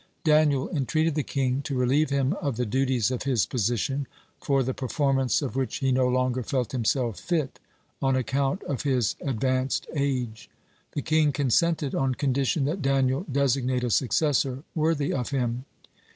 Daniel entreated the king to relieve him of the duties of his position, for the performance of which he no longer felt himself fit, on account of his advanced age. The king consented on condition that Daniel designate a successor worthy of him.